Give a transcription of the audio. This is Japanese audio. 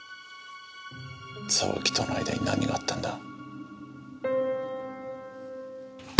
沢木との間に何があったんだ？